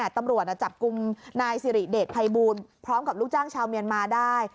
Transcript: ตำรวจจับกลุ่มนายสิริเดชภัยบูลพร้อมกับลูกจ้างชาวเมียนมาได้